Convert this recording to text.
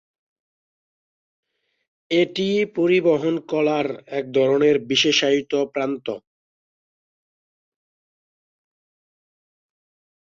এটি পরিবহন কলার এক ধরনের বিশেষায়িত প্রান্ত।